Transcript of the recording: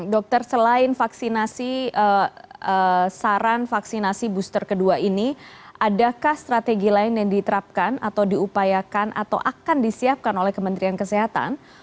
dokter selain vaksinasi saran vaksinasi booster kedua ini adakah strategi lain yang diterapkan atau diupayakan atau akan disiapkan oleh kementerian kesehatan